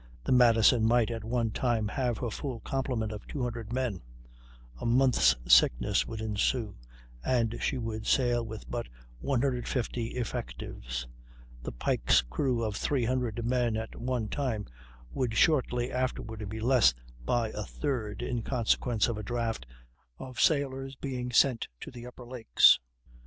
The Madison might at one time have her full complement of 200 men; a month's sickness would ensue, and she would sail with but 150 effectives. The Pike's crew of 300 men at one time would shortly afterward be less by a third in consequence of a draft of sailors being sent to the upper lakes.